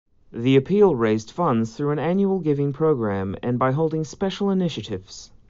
The appeal raised funds through an annual giving program and by holding special initiatives.